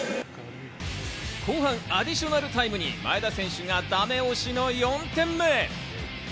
後半アディショナルタイムに前田選手がダメ押しの４点目。